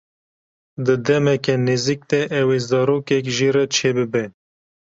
Di demeke nêzik de ew ê zarokek jê re çêbibe.